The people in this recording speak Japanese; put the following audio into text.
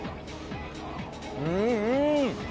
うんうーん！